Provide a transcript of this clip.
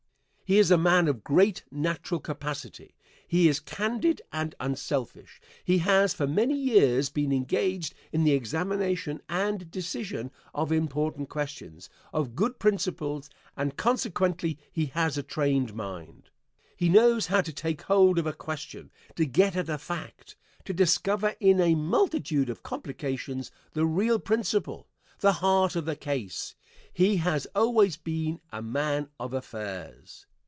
He is a man of great natural capacity. He is candid and unselfish. He has for many years been engaged in the examination and decision of important questions, of good principles, and consequently he has a trained mind. He knows how to take hold of a question, to get at a fact, to discover in a multitude of complications the real principle the heart of the case. He has always been a man of affairs.